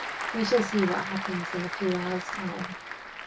We shall see what happens in a few hours' time.